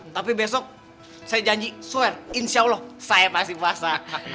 tapi besok saya janji sware insya allah saya pasti puasa